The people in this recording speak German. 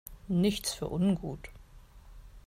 Nichts für ungut!